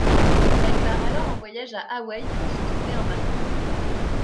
Elle part alors en voyage à Hawaï pour se trouver un mari.